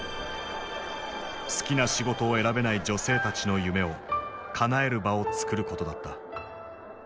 好きな仕事を選べない女性たちの夢をかなえる場をつくることだった。